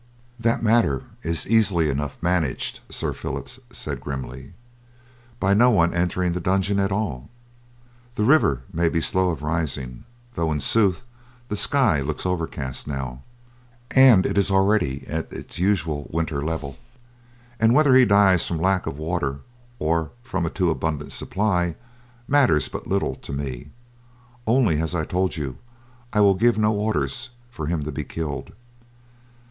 "That matter is easily enough managed," Sir Phillip said grimly, "by no one entering the dungeon at all. The river may be slow of rising, though in sooth the sky looks overcast now, and it is already at its usual winter level; and whether he dies from lack of water or from a too abundant supply matters but little to me; only, as I told you I will give no orders for him to be killed.